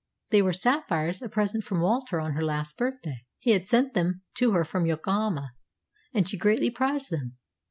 They were sapphires, a present from Walter on her last birthday. He had sent them to her from Yokohama, and she greatly prized them.